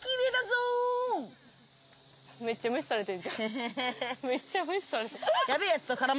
めっちゃ無視されて。